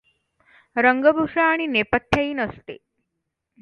रंगभूषा आणि नेपथ्यही नसते.